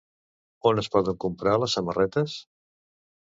On es poden comprar les samarretes?